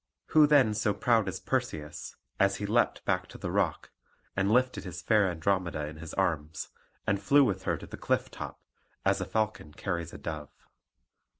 Who then so proud as Perseus, as he leapt back to the rock, and lifted his fair Andromeda in his arms, and flew with her to the cliff top, as a falcon carries a dove?